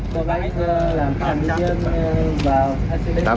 có máy làm tám trăm linh và